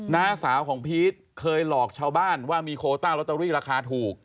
น้าสาวของพีชเคยหลอกชาวบ้านว่ามีโคต้าลอตเตอรี่ราคาถูก